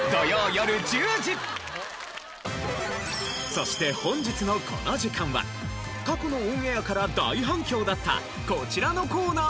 そして本日のこの時間は過去のオンエアから大反響だったこちらのコーナーをお届け！